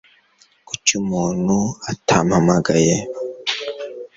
Kuki umuntu atampamagaye